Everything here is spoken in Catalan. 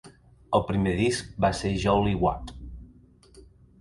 El primer disc va ser Jolly What!